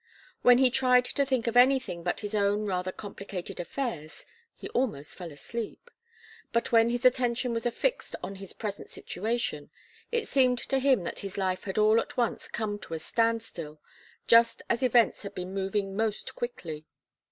When he tried to think of anything but his own rather complicated affairs, he almost fell asleep. But when his attention was fixed on his present situation, it seemed to him that his life had all at once come to a standstill just as events had been moving most quickly.